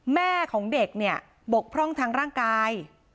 แม่ของเด็กเนี่ยบกพร่องทางร่างกาย